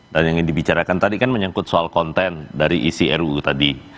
dan yang dibicarakan tadi kan menyangkut soal konten dari isi ruu tadi